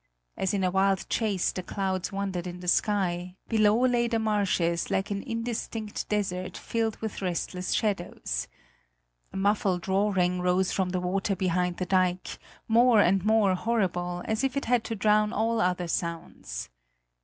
As in a wild chase the clouds wandered in the sky; below lay the marshes like an indistinct desert filled with restless shadows. A muffled roaring rose from the water behind the dike, more and more horrible, as if it had to drown all other sounds.